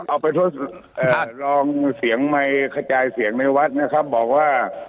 เอาไปส่วนเอ่อลองเสียงไมเครื่องขยายเสียงในวัดนะครับบอกว่า